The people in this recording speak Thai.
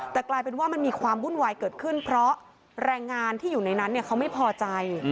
แต่กลายเป็นว่ามันมีความวุ่นวายเกิดขึ้นเพราะแรงงานที่อยู่ในนั้นเขาไม่พอใจ